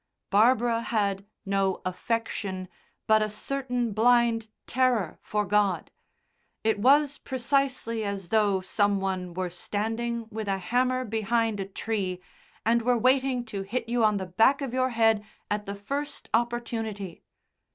Barbara had no affection, but a certain blind terror for God. It was precisely as though some one were standing with a hammer behind a tree, and were waiting to hit you on the back of your head at the first opportunity.